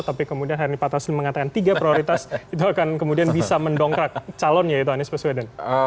tapi kemudian harini patrasul mengatakan tiga prioritas itu akan kemudian bisa mendongkrak calonnya yaitu anies perswedan